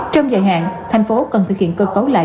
trong dài hạn thành phố cần thực hiện cơ cấu lại